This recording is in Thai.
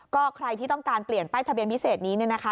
ก็ใครที่ต้องการเปลี่ยนป้ายทะเบียนพิเศษนี้เนี่ยนะคะ